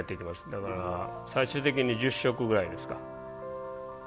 だから最終的に１０色ぐらいですか。